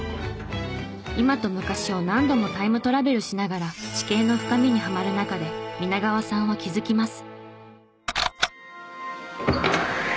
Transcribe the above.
今と昔を何度もタイムトラベルしながら地形の深みにはまる中で皆川さんは気づきます。